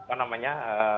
nah apa namanya